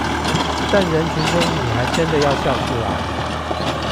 但人群中你還真的要笑出來